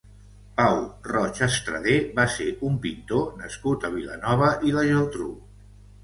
Pau Roig Estradé va ser un pintor nascut a Vilanova i la Geltrú.